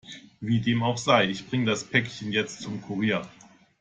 Wie dem auch sei, ich bringe das Päckchen jetzt zum Kurier.